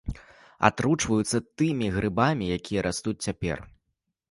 Атручваюцца тымі грыбамі, якія растуць цяпер.